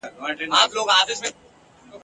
خپل پردي ورته راتلل له نیژدې لیري ..